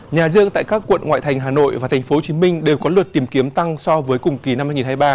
nhà dương tại các quận ngoại thành hà nội và tp hcm đều có lượt tìm kiếm tăng so với cùng kỳ năm hai nghìn hai mươi ba